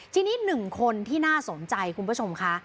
ทีนี้๑คนที่น่าสนใจคุณผู้ชมค่ะ